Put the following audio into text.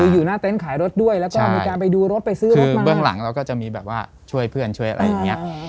อยู่หน้าเต็นต์ขายรถด้วยแล้วก็มีการไปดูรถไปซื้อรถมาเบื้องหลังเราก็จะมีแบบว่าช่วยเพื่อนช่วยอะไรอย่างนี้